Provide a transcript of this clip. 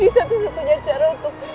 ini satu satunya cara untuk